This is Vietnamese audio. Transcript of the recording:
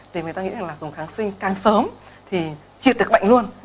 vì người ta nghĩ rằng là dùng kháng sinh càng sớm thì triệt được bệnh luôn